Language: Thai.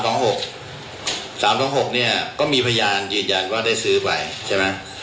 ๓๒๖เนี่ยก็มีพยานยืนยันว่าได้ซื้อไปใช่มั้ย